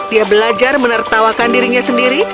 dia belajar menertawakan dirinya sendiri